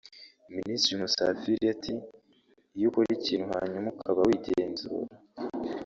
Minisitiri Musafiri ati ″Iyo ukora ikintu hanyuma ukaba wigenzura